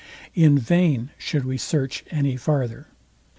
In vain should we. search any farther.